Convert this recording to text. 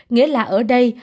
nghĩa là ở đây